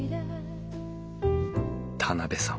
田邊さん